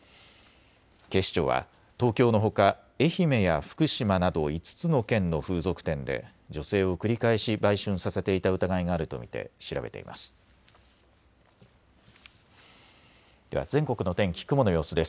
警視庁は東京のほか、愛媛や福島など５つの県の風俗店で女性を繰り返し売春させていた疑いがあると見て調べています。